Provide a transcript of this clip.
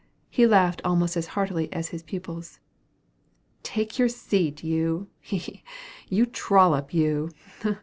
He laughed almost as heartily as his pupils. "Take your seat, you, he! he! you trollop, you, he!